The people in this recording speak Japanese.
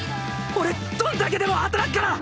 俺どんだけでも働くから。